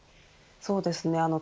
そうですね。